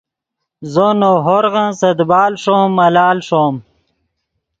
زو نؤ ہورغن سے دیبال ݰوم ملال ݰوم